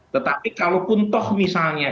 tetapi kalau pun toh misalnya